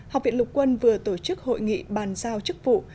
học viện lục quân vừa tổ chức hội nghị bàn giao chức vụ